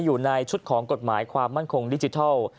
อยู่ในชุดของกฎหมายความมั่นคงดิจิทัล